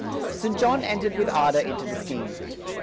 St. John entered with ardor into the scheme.